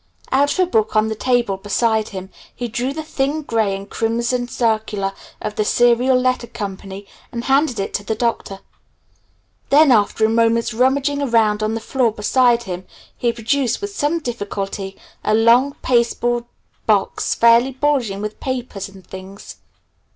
Out of a book on the table beside him he drew the thin gray and crimson circular of The Serial Letter Co. and handed it to the Doctor. Then after a moment's rummaging around on the floor beside him, he produced with some difficulty a long, pasteboard box fairly bulging with papers and things.